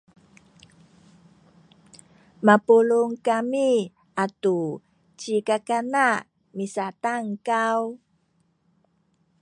mapulung kami atu ci kakana misatankaw